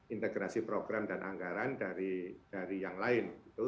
integrasi program dan anggaran dari yang lain